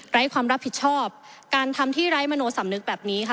ไร้ความรับผิดชอบการทำที่ไร้มโนสำนึกแบบนี้ค่ะ